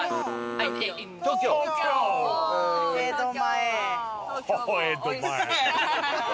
江戸前。